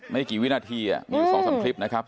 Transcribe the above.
ไม่ได้กี่วินาทีอ่ะอยู่สองสามคลิปนะครับ